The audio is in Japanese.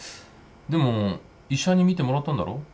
でも医者に診てもらったんだろ？